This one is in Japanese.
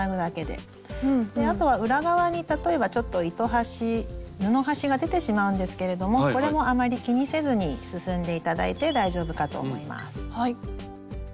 であとは裏側に例えばちょっと糸端布端が出てしまうんですけれどもこれもあまり気にせずに進んで頂いて大丈夫かと思います。